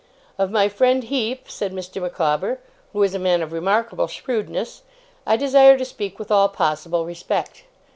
Of my friend Heep,' said Mr. Micawber, 'who is a man of remarkable shrewdness, I desire to speak with all possible respect.